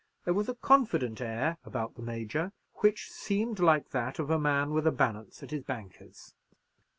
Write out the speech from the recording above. There was a confident air about the Major which seemed like that of a man with a balance at his banker's.